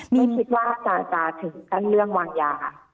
ก็คิดว่าจะถึงกั้นเรื่องวางยา